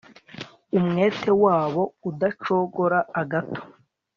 Umwete wabo udacogora agato